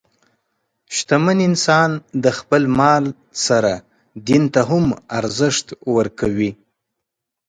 شتمن انسان د خپل مال سره دین ته هم ارزښت ورکوي.